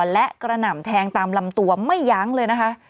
และกระหน่ำแทงตามลำตัวไม่ยั้งเลยนะคะ